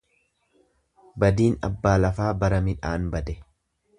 Badiin abbaa lafaa bara midhaan bade.